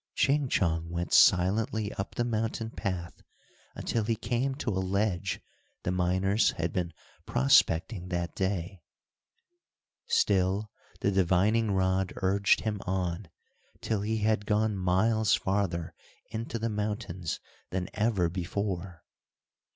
Ching Chong went silently up the mountain path until he came to a ledge the miners had been prospecting that day. Still the divining rod urged him on, till he had gone miles farther into the mountains than ever before.